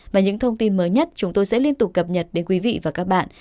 và những thông tin mới nhất chúng tôi sẽ liên tục cập nhật đến quý vị và các bạn